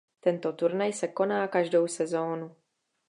Tento turnaj se koná každou sezónu.